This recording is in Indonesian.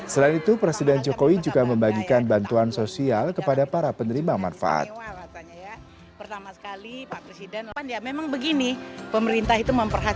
selain itu presiden jokowi juga membagikan bantuan sosial kepada para penerima manfaat